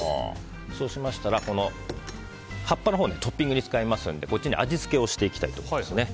そうしましたら葉っぱのほうはトッピングに使いますので味付けをしていきたいと思います。